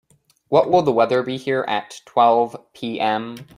What will the weather be here at twelve P.m.?